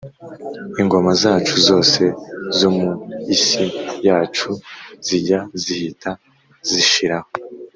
Ingoma zacu zose zo mu isi yacu zijya zihita zishiraho